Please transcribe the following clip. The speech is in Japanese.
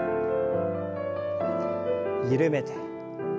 緩めて。